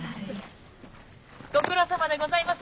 ご苦労さまでございます。